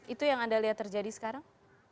itu yang anda lihat terjadi sekarang